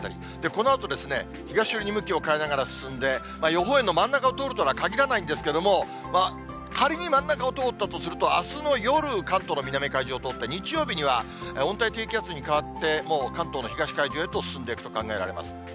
このあと東寄りに向きを変えながら進んで、予報円の真ん中を通るとはかぎらないんですけれども、仮に真ん中を通ったとすると、あすの夜、関東の南の海上を通って、日曜日には温帯低気圧に変わって、もう関東の東海上へと進んでいくと考えられます。